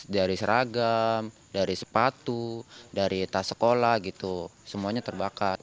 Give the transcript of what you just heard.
dari seragam dari sepatu dari tas sekolah gitu semuanya terbakar